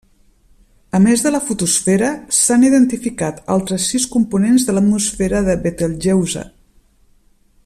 A més de la fotosfera, s'han identificat altres sis components de l'atmosfera de Betelgeuse.